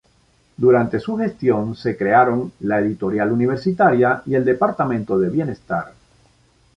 Durante su gestión se crearon la Editorial Universitaria y el Departamento de Bienestar.